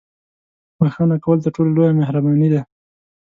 • بښنه کول تر ټولو لویه مهرباني ده.